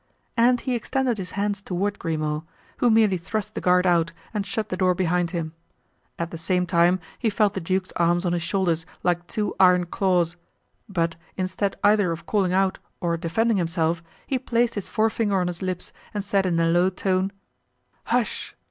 And he extended his hands toward Grimaud, who merely thrust the guard out and shut the door behind him. At the same time he felt the duke's arms on his shoulders like two iron claws; but instead either of calling out or defending himself, he placed his forefinger on his lips and said in a low tone: "Hush!"